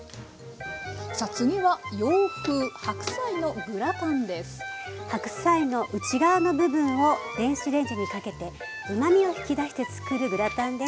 さあ次は洋風白菜の内側の部分を電子レンジにかけてうまみを引き出してつくるグラタンです。